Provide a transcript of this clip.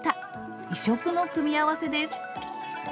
異色の組み合わせです。